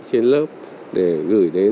trên lớp để gửi đến